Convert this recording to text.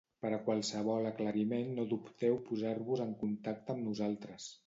Per a qualsevol aclariment no dubteu posar-vos en contacte amb nosaltres